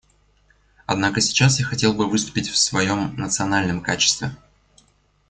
Однако сейчас я хотел бы выступить в своем национальном качестве.